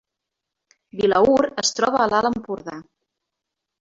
Vilaür es troba a l’Alt Empordà